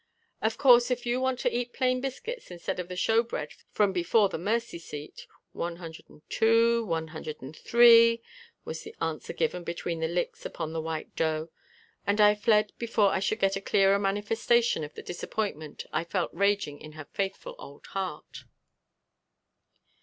"Of course, if you want to eat plain biscuits instead of the showbread from before the mercy seat one hundred and two, one hundred and three " was the answer given between the licks upon the white dough, and I fled before I should get a clearer manifestation of the disappointment I felt raging in her faithful old heart.